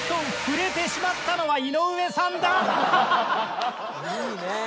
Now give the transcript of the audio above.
ふれてしまったのは井上さんだ！いいねえ。